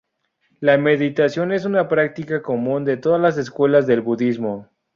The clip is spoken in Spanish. La meditación es una práctica común de todas las escuelas del budismo.